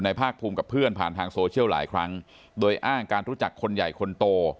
ภาคภูมิกับเพื่อนผ่านทางโซเชียลหลายครั้งโดยอ้างการรู้จักคนใหญ่คนโต